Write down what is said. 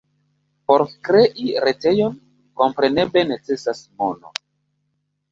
Por krei retejon, kompreneble, necesas mono.